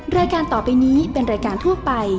รายการต่อไปนี้เป็นรายการทั่วไป